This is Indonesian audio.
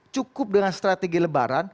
cukup dengan strategi lebaran